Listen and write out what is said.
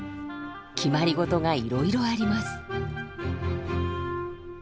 決まり事がいろいろあります。